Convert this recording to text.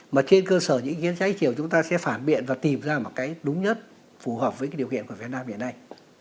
mà trên cơ sở những ý kiến trái chiều chúng ta sẽ phản biện và tìm ra một cái đúng nhất phù hợp với cái điều kiện của việt nam hiện nay